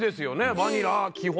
バニラ基本。